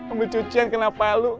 ambil cucian kenapa lu